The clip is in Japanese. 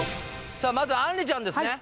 さあまずあんりちゃんですね